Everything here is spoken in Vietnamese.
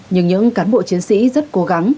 nhưng những cán bộ chiến sĩ rất cố gắng